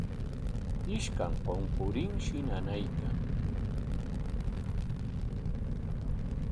Ishkan qunqurinshi nanaykan.